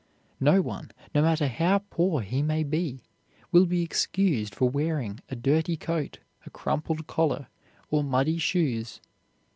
No one, no matter how poor he may be, will be excused for wearing a dirty coat, a crumpled collar, or muddy shoes.